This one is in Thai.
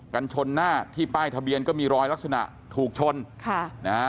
กันชนหน้าที่ป้ายทะเบียนก็มีรอยลักษณะถูกชนค่ะนะฮะ